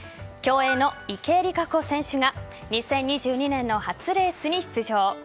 競泳の池江璃花子選手が２０２２年の初レースに出場。